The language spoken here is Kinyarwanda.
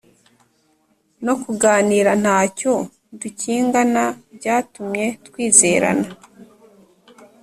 No kuganira nta cyo dukingana byatumye twizerana